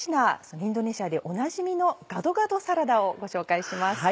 インドネシアでおなじみのガドガドサラダをご紹介します。